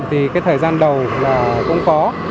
thì cái thời gian đầu là cũng có